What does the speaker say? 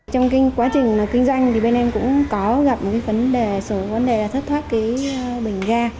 trong quá trình kinh doanh bên em cũng có gặp một số vấn đề là thất thoát bình ga